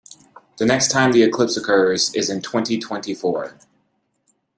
The next time the eclipse occurs is in twenty-twenty-four.